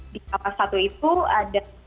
di kapas satu itu ada